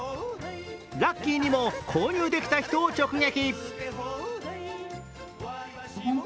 ラッキーにも購入できた人を直撃。